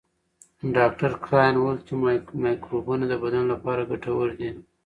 ډاکټر کرایان وویل چې مایکروبونه د بدن لپاره ګټور دي.